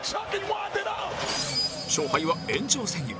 勝敗は延長戦へ